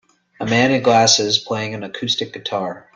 A man in glasses playing an acoustic guitar.